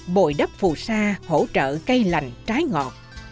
bồi đắp phù sa hỗ trợ cây lành trái ngọt